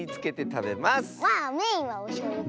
メインはおしょうゆかな。